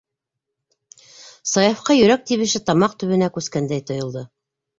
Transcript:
- Саяфҡа йөрәк тибеше тамаҡ төбөнә күскәндәй тойолдо.